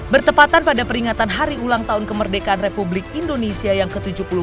bertepatan pada peringatan hari ulang tahun kemerdekaan republik indonesia yang ke tujuh puluh empat